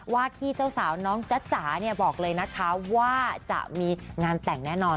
ที่เจ้าสาวน้องจ๊ะจ๋าเนี่ยบอกเลยนะคะว่าจะมีงานแต่งแน่นอน